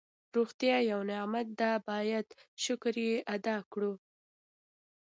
روغتیا یو نعمت ده باید شکر یې ادا کړو.